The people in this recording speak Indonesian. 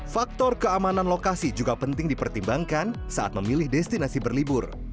faktor keamanan lokasi juga penting dipertimbangkan saat memilih destinasi berlibur